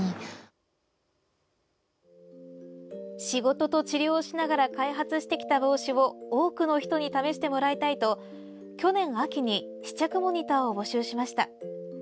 仕事と治療をしながら開発してきた帽子を多くの人に試してもらいたいと去年秋に試着モニターを募集しました。